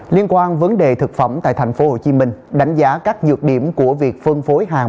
liên quan vấn đề thực phẩm tại tp hcm đánh giá các nhược điểm của việc phân phối hàng